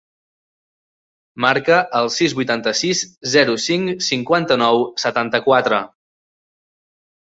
Marca el sis, vuitanta-sis, zero, cinc, cinquanta-nou, setanta-quatre.